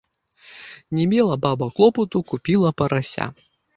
Не мела баба клопату, купіла парася